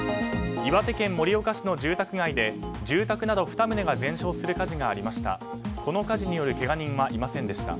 岩手県盛岡市の住宅街で住宅など２棟が全焼する火事がありました。